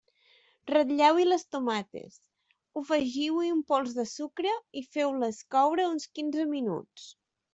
Ratlleu-hi les tomates, afegiu-hi un pols de sucre i feu-les coure uns quinze minuts.